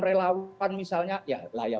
relawan misalnya ya layak